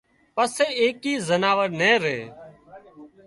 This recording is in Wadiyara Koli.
پسي ايڪئي زناور نين ري